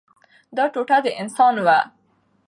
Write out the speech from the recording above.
دا ټوټه د انسان وه.